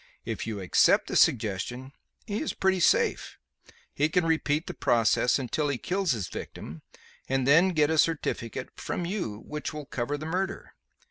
If you accept the suggestion he is pretty safe. He can repeat the process until he kills his victim and then get a certificate from you which will cover the murder.